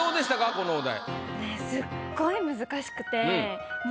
このお題。